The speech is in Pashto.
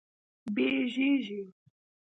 بیږیږې